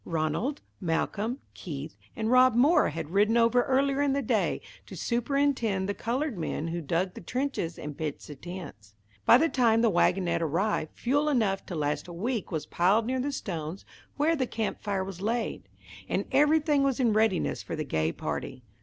Ranald, Malcolm, Keith, and Rob Moore had ridden over earlier in the day to superintend the coloured men who dug the trenches and pitched the tents. By the time the wagonette arrived, fuel enough to last a week was piled near the stones where the camp fire was laid, and everything was in readiness for the gay party.